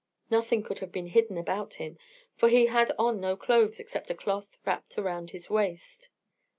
Nothing could have been hidden about him, for he had on no clothes except a cloth wrapped around his waist.